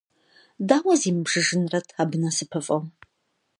Дауэ зимыбжыжынрэт абы насыпыфӀэу!